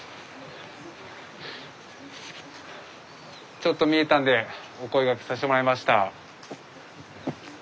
ちょっと見えたんでお声がけさせてもらいました。